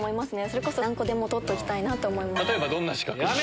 それこそ何個でも取っときたいなと思います。